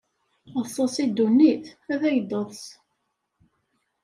Eḍs-as i ddunit ad ak-d-teḍs!